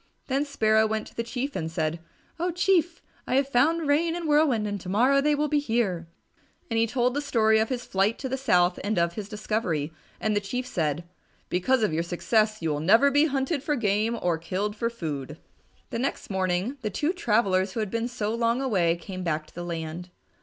Then Sparrow went to the Chief and said, "Oh, Chief, I have found Rain and Whirlwind and to morrow they will be here," and he told the story of his flight to the south and of his discovery. And the Chief said, "Because of your success, you will never be hunted for game or killed for food." The next morning the two travellers who had been so long away came back to the land.